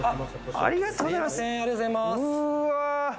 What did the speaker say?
ありがとうございますうわ！